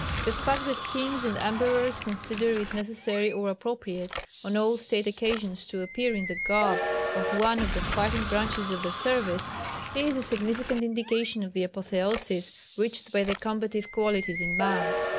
The fact that Kings and Emperors consider it necessary or appropriate, on all state occasions, to appear in the garb of one of the fighting branches of their service, is a significant indication of the apotheosis reached by the combative qualities in man!